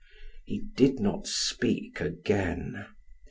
He did not speak again.